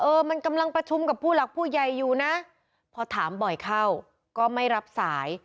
มันกำลังประชุมกับผู้หลักผู้ใหญ่อยู่นะพอถามบ่อยเข้าก็ไม่รับสาย